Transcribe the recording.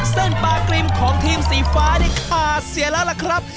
ซึ่งปลากริมของทีมสีฟ้านี่ขาดเสียแล้วล่ะครับ